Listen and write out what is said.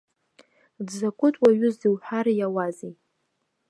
Дзакәытә уаҩузеи уҳәар иауазеи.